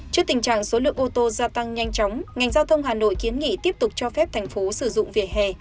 trước tình trạng số lượng ô tô gia tăng nhanh chóng ngành giao thông hà nội kiến nghị tiếp tục cho phép thành phố sử dụng vỉa hè